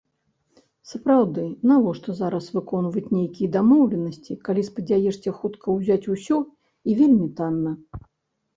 Сапраўды, навошта зараз выконваць нейкія дамоўленасці, калі спадзяешся хутка ўзяць усё і вельмі танна?